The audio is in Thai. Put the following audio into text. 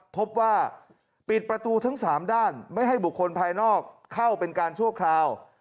พบว่าปิดประตูทั้ง๓ด้านไม่ให้บุคคลภายนอกเข้าเป็นการชั่วคราว